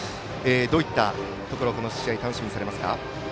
どういったところをこの試合、楽しみにされますか？